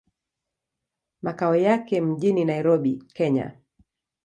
Makao yake mjini Nairobi, Kenya.